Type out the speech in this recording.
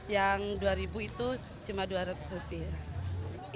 yang dua ribu itu cuma dua ratus rupiah